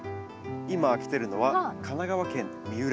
今来てるのは神奈川県三浦市。